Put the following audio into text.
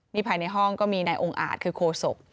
นี่ภายในห้องก็มีนายองค์อาจคือโคศก